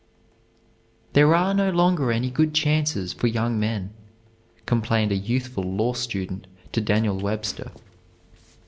"There are no longer any good chances for young men," complained a youthful law student to Daniel Webster.